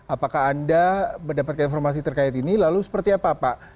apakah anda mendapatkan informasi terkait ini lalu seperti apa pak